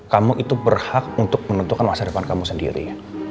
kamu itu berhak untuk menentukan masa depan kamu sendiri